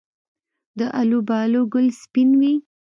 د الوبالو ګل سپین وي؟